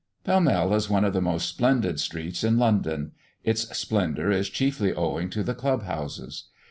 Pall Mall is one of the most splendid streets in London; its splendour is chiefly owing to the club houses.